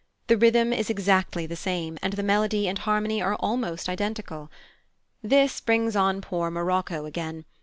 The rhythm is exactly the same, and the melody and harmony are almost identical. This brings on poor Morocco again.